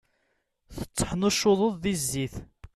Tetteḥnuccuḍeḍ di zzit.